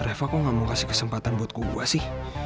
reva kok gak mau kasih kesempatan buat kubu sih